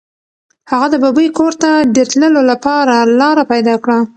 هغه د ببۍ کور ته د تللو لپاره لاره پیدا کړه.